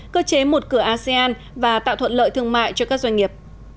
cơ chế một cửa asean và tạo thuận lợi thương mại cho các doanh nghiệp